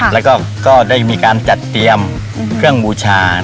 แล้วก็ได้มีการจัดเตรียมเครื่องบูชา